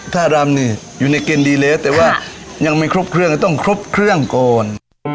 ถ้ารำนี่อยู่ในเกณฑ์ดีเลสแต่ว่ายังไม่ครบเครื่องต้องครบเครื่องก่อน